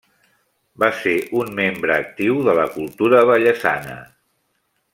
Va ser un membre actiu de la cultura vallesana.